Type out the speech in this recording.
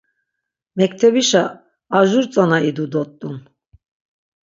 Mektebişa ar jur tzana idu dot̆t̆un.